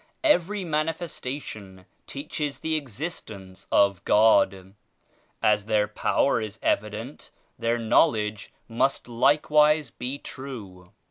Every Manifestation teaches the Existence of God. As their Power is evident their Knowledge must likewise be true.